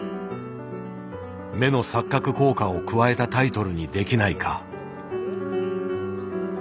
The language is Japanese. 「目の錯覚効果」を加えたタイトルにできないか。